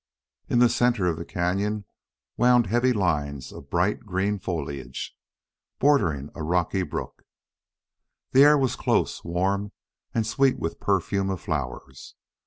In the center of the cañon wound heavy lines of bright green foliage, bordering a rocky brook. The air was close, warm, and sweet with perfume of flowers.